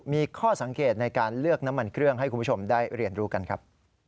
มีข้อสังเกตในการเลือกน้ำมันเครื่องให้คุณผู้ชมได้เรียนรู้กันครับ